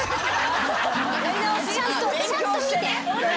ちゃんと見て。